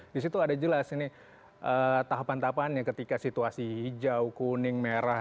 di situ ada jelas ini tahapan tahapannya ketika situasi hijau kuning merah